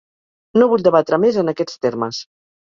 No vull debatre més en aquests termes.